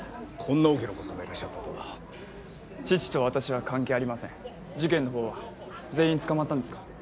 こんな大きなお子さんがいらっしゃったとは父と私は関係ありません事件の方は？全員捕まったんですか？